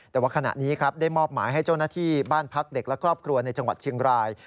แต่ว่าขณะนี้ครับได้มอบหมายให้เจ้าหน้าที่บ้านพักเด็กและครอบครัวในจังหวัดเชียงราย